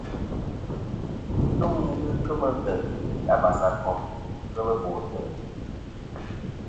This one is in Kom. Iluŋ i ghɨ kemɨ ntè' ili a basakom kel bo ntè'.